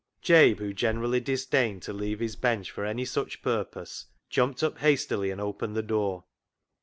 Jabe, who generally disdained to leave his bench for any such purpose, jumped up hastily and opened the door.